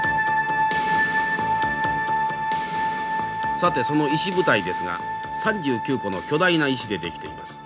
さてその石舞台ですが３９個の巨大な石で出来ています。